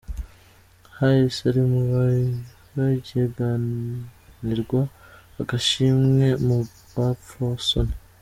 Hayes ari mu bahiganirwa agashimwe mu bapfasoni.